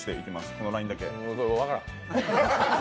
このラインだけ。